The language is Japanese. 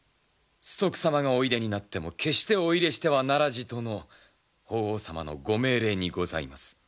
崇徳様がおいでになっても決してお入れしてはならじとの法皇様のご命令にございます。